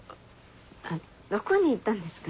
どこに行ったんですか？